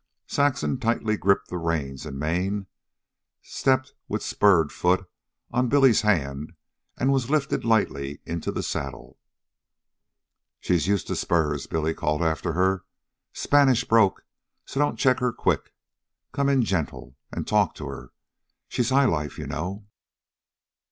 Saxon tightly gripped reins and mane, stepped with spurred foot on Billy's hand, and was lifted lightly into the saddle. "She's used to spurs," Billy called after. "Spanish broke, so don't check her quick. Come in gentle. An' talk to her. She's high life, you know."